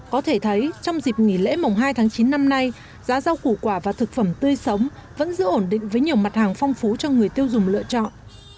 có thể thấy trong dịp nghỉ lễ mùng hai tháng chín năm nay giá rau củ quả và thực phẩm tươi sống vẫn giữ ổn định với nhiều mặt hàng phong phú cho người tiêu dùng lựa chọn